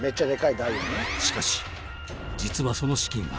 「しかし実はその資金は」